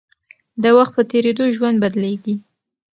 د وخت په تېرېدو ژوند بدلېږي.